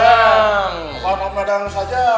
eh panah panah saja